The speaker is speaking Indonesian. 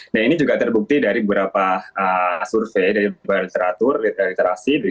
nah ini juga terbukti dari beberapa survei dari beberapa literatur liter literasi